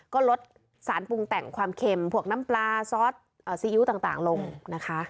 ก็ลดสารปรุงแต่งความเค็มพวกน้ำปลาซอสซีอิ๊วต่างลงนะคะ